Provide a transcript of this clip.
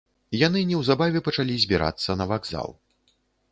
Яны неўзабаве пачалі збірацца на вакзал.